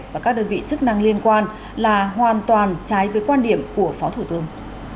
và các đơn vị chức năng liên quan là hoàn toàn trái với quan điểm của phó thủ tướng